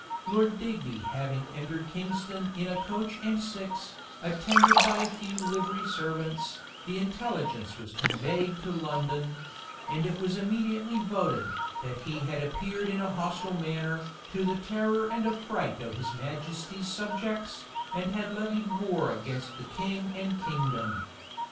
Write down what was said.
Lord Digby having entered Kingston in a coach and six, attended by a few livery servants, the intelligence was conveyed to London; and it was immediately voted, that he had appeared in a hostile manner, to the terror and affright of his majesty's subjects, and had levied war against the king and kingdom.